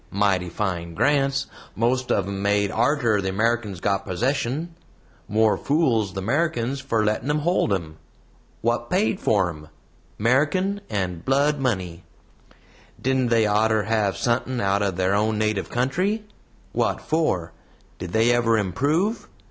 Mighty fine grants most of 'em made arter the 'Merrikans got possession. More fools the 'Merrikans for lettin' 'em hold 'em. Wat paid for 'em? 'Merrikan and blood money. "Didn't they oughter have suthin' out of their native country? Wot for? Did they ever improve?